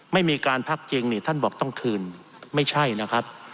ไม่มีการพักจริงนี่ท่านบอกต้องคืนไม่ใช่นะครับ